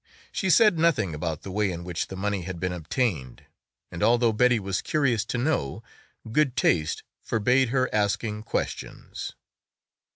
She said nothing about the way in which the money had been obtained and although Betty was curious to know, good taste forbade her asking questions.